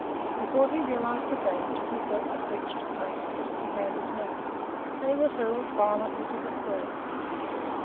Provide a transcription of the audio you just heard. Before he realized the danger, he felt the creature's trunk twisting around his neck, and he was hurled violently to the floor.